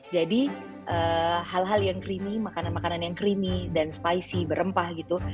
jadi hal hal yang creamy makanan makanan yang creamy dan spicy berempah gitu